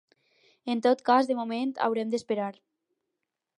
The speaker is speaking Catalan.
En tot cas, de moment, haurem d’esperar.